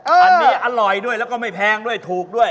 อันนี้อร่อยด้วยแล้วก็ไม่แพงด้วยถูกด้วย